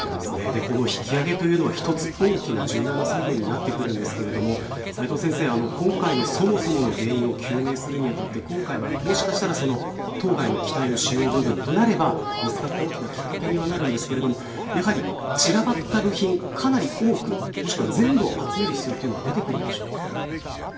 引き揚げは一つ大きな重要な作業になりますが今回のそもそもの原因を究明するにあたりもしかしたら、当該の機体の主要部分となれば大きなきっかけにはなるんですが散らばった部品かなり多く、もしくは全部集める必要が出てくるんでしょうか。